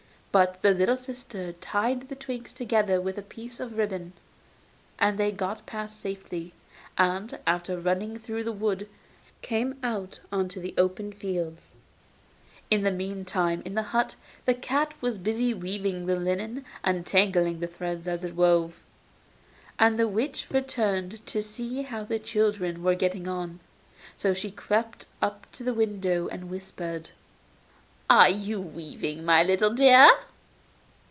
But the little sister tied the twigs together with a piece of ribbon, and they got past safely, and, after running through the wood, came out on to the open fields. In the meantime in the hut the cat was busy weaving the linen and tangling the threads as it wove. And the witch returned to see how the children were getting on; and she crept up to the window, and whispered: 'Are you weaving, my little dear?